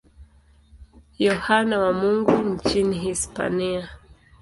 Yohane wa Mungu nchini Hispania.